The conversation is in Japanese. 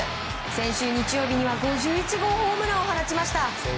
先週日曜日には５１号ホームランを放ちました。